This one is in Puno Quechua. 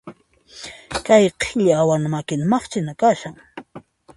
Kay qhilli awana makina maqchina kashan.